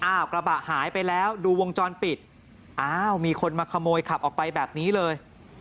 กระบะหายไปแล้วดูวงจรปิดอ้าวมีคนมาขโมยขับออกไปแบบนี้เลย